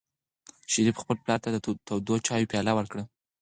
شریف خپل پلار ته د تودو چایو پیاله ورکړه.